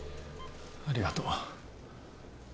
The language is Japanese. ありがとう。